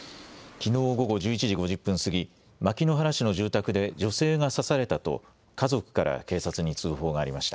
きのう午後１１時５０分過ぎ、牧之原市の住宅で女性が刺されたと家族から警察に通報がありました。